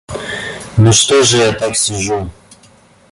Ну что же я так сижу?